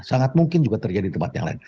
sangat mungkin juga terjadi di tempat yang lain